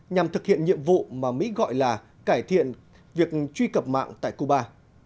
nhằm thực hiện nhiệm vụ mà mỹ gọi là cải thiện việc truy cập mạng tại cuba